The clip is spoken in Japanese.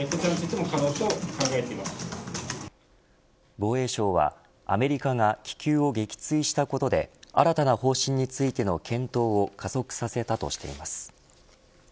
防衛省はアメリカが気球を撃墜したことで新たな方針についての検討を加速させたとしています。